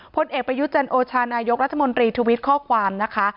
พลเอกประยุจันโอชานายกรัฐมนตรีทวิตข้อความนะคะ